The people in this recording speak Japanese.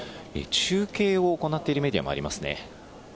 中継を行っているメディアもありますね。